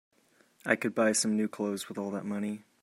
I could buy some new clothes with all that money.